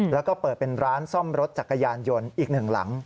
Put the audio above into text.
แล้วก็เปิดเป็นร้านซ่อมรถจักรยานยนต์อีกหนึ่งหลัง